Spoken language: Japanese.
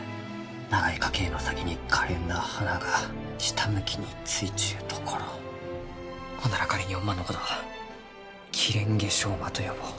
長い花茎の先にかれんな花が下向きについちゅうところほんなら仮におまんのことはキレンゲショウマと呼ぼう。